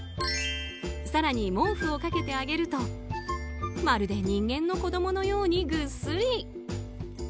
更に毛布をかけてあげるとまるで人間の子供のようにぐっすり。